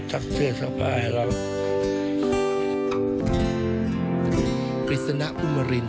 ชักเชื้อสะพายแล้ว